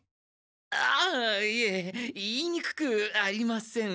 あっいえ言いにくくありません。